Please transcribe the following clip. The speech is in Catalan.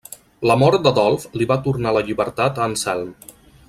La mort d'Adolf li va tornar la llibertat a Anselm.